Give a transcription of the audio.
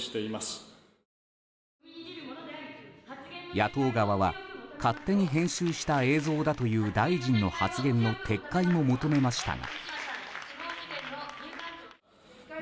野党側は勝手に編集した映像だという大臣の発言の撤回も求めましたが。